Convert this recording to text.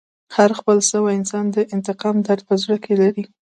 هر خپل سوی انسان د انتقام درد په زړه کښي لري.